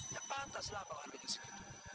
ya pantas lah bawa harganya segitu